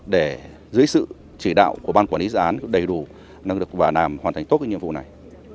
để dưới sự chỉ đạo của ban quản lý dự án đầy đủ năng lực và làm hoàn thành tốt cái nhiệm vụ này